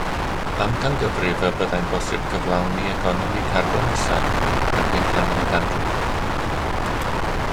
Amcangyfrifir y byddai'n bosib cyflawni economi carbon isel erbyn canol y ganrif.